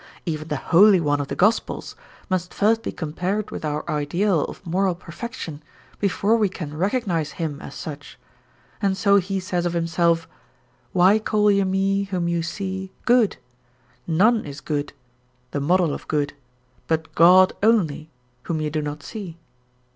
Even the Holy One of the Gospels must first be compared with our ideal of moral perfection before we can recognise Him as such; and so He says of Himself, "Why call ye Me (whom you see) good; none is good (the model of good) but God only (whom ye do not see)?"